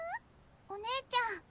お姉ちゃん。